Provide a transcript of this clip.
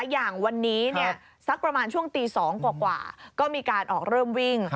อย่างวันนี้สักประมาณช่วงตี๒กว่าก็มีการออกเริ่มวิ่ง